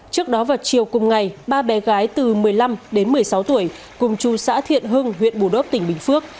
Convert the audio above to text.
trước đó vào chiều cùng ngày ba bé gái từ một mươi năm đến một mươi sáu tuổi cùng chú xã thiện hưng huyện bù đốc tỉnh bình phước